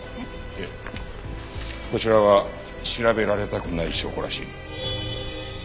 でこちらは調べられたくない証拠らしい。